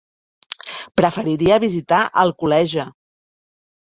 Preferiria visitar Alcoleja.